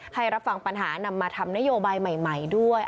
ให้รับฟังปัญหานำมาทำนโยบายใหม่ด้วย